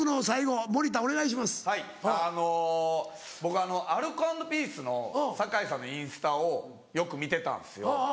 はいあの僕アルコ＆ピースの酒井さんのインスタをよく見てたんですよ。